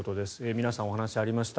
皆さんお話がありました。